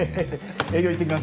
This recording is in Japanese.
営業行ってきます。